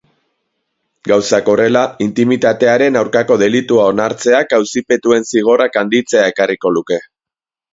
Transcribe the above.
Gauzak horrela, intimitatearen aurkako delitua onartzeak auzipetuen zigorrak handitzea ekarriko luke.